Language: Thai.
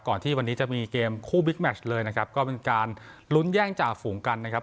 ที่วันนี้จะมีเกมคู่บิ๊กแมชเลยนะครับก็เป็นการลุ้นแย่งจ่าฝูงกันนะครับ